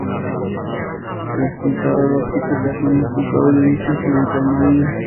Presenta dos tipos de climas: templado lluvioso y el semiárido.